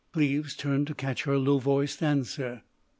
Cleves turned to catch her low voiced answer.